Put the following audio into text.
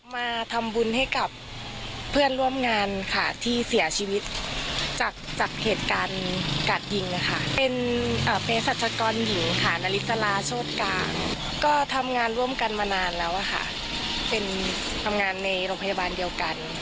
มาทำบุญให้กับเพื่อนร่วมงานค่ะที่เสียชีวิตจากจากเหตุการณ์กาดยิงเลยค่ะเป็นเพศรัชกรหญิงค่ะนาริสลาโชธกลางก็ทำงานร่วมกันมานานแล้วค่ะเป็นทำงานในโรงพยาบาลเดียวกัน